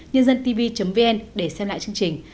nhân dântv vn để xem lại chương trình